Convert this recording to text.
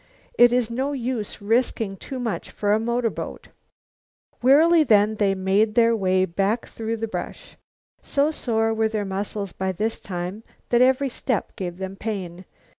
It is no use risking too much for a motorboat." Wearily then they made their way back through the brush. So sore were their muscles by this time that every step gave them pain.